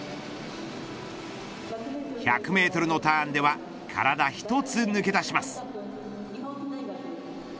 １００メートルのターンでは体１つ抜け出します。